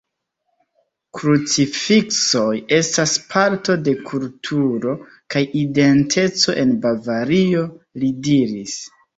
Krucifiksoj estas parto de kulturo kaj identeco en Bavario, li diris.